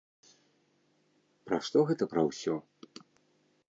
Пра што гэта пра ўсё?